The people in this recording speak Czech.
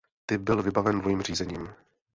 Typ byl vybaven dvojím řízením.